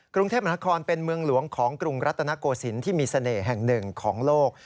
กรุงเทพมหานครเป็นเมืองหลวงของกรุงรัตนโกศิลป์ที่มีเสน่ห์แห่งหนึ่งของโลก